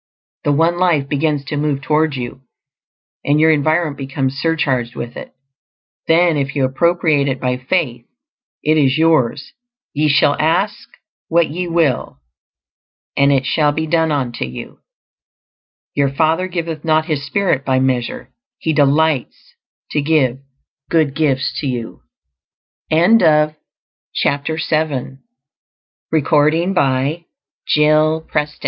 The One Life begins to move toward you, and your environment becomes surcharged with it. Then, if you appropriate it by faith, it is yours. "Ye shall ask what ye will, and it shall be done unto you." Your Father giveth not his spirit by measure; he delights to give good gifts to you. CHAPTER VIII. SUMMARY OF THE MENTAL ACTIONS.